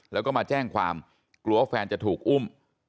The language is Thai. แล้วก็มาแจ้งความกลัวแฟนจะถูกอุ้ม